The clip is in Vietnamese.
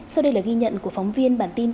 sau đây là ghi nhận của phóng viên bản tin